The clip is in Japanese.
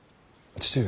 父上！